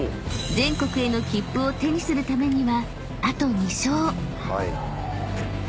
［全国への切符を手にするためにはあと２勝］